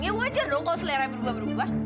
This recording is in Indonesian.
ya wajar dong kalau selera berubah ubah